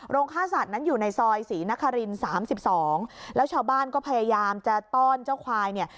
ฆ่าสัตว์นั้นอยู่ในซอยศรีนครินสามสิบสองแล้วชาวบ้านก็พยายามจะต้อนเจ้าควายเนี่ย